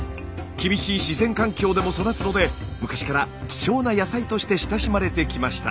厳しい自然環境でも育つので昔から貴重な野菜として親しまれてきました。